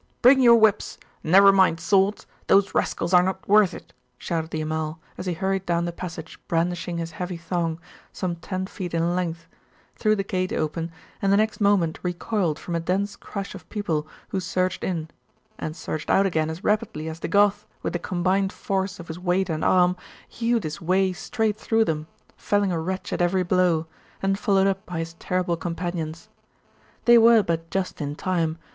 'Bring your whips. Never mind swords. Those rascals are not worth it,' shouted the Amal, as he hurried down the passage brandishing his heavy thong, some ten feet in length, threw the gate open, and the next moment recoiled from a dense crush of people who surged in and surged out again as rapidly as the Goth, with the combined force of his weight and arm, hewed his way straight through them, felling a wretch at every blow, and followed up by his terrible companions. They were but just in time.